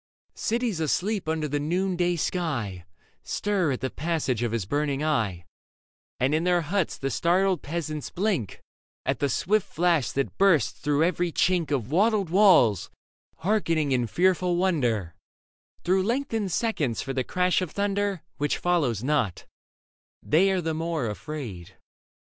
Cities asleep under the noonday sky Stir at the passage of his burning eye ; And in their huts the startled peasants blink At the swift flash that bursts through every chink Of wattled walls, hearkening in fearful wonder Through lengthened seconds for the crash of thunder — Which follows not : they are the more afraid.